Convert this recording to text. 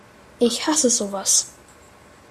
Ich hasse sowas!